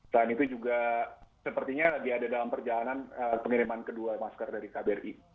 selain itu juga sepertinya lagi ada dalam perjalanan pengiriman kedua masker dari kbri